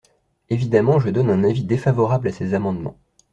Évidemment, je donne un avis défavorable à ces amendements.